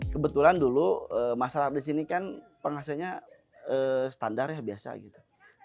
kebetulan dulu masyarakat di sini kan penghasilnya standar ya biasa gitu